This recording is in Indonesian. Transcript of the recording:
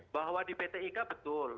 bahwa di pt ika betul